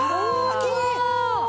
きれい。